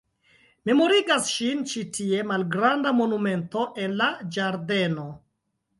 Memorigas ŝin ĉi tie malgranda monumento en la ĝardeno.